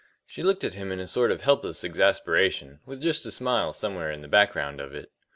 She looked at him in a sort of helpless exasperation, with just a smile somewhere in the background of it.